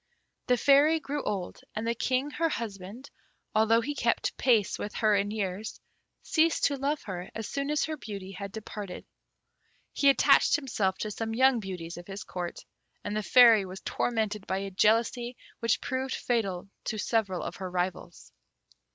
The Fairy grew old, and the King, her husband, although he kept pace with her in years, ceased to love her as soon as her beauty had departed. He attached himself to some young beauties of his Court, and the Fairy was tormented by a jealousy which proved fatal to several of her rivals.